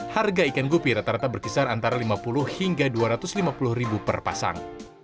harga ikan gupi rata rata berkisar antara rp lima puluh hingga rp dua ratus lima puluh ribu per pasang